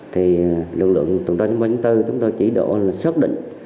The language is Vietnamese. thì lực lượng tổng thống chính phó chính tư chúng tôi chỉ đổ là xác định